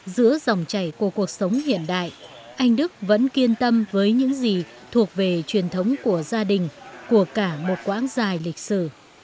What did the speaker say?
giữa dòng chảy của cuộc sống hiện đại anh đức vẫn kiên tâm với những gì thuộc về truyền thống của gia đình của cả một quãng dài lịch sử